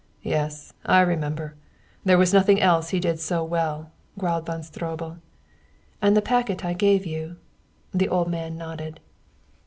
"Yes, I remember; there was nothing else he did so well," growled Von Stroebel. "And the packet I gave you " The old man nodded.